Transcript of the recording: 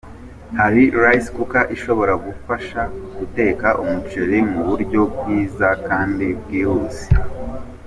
Hari Rice cooker ishobora kugufasha guteka umuceri mu buryo bwiza kandi bwihuse.